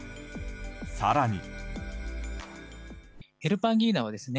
更に。